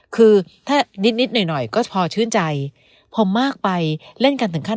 คือถ้านิดนิดหน่อยหน่อยก็พอชื่นใจพอมากไปเล่นกันถึงขั้น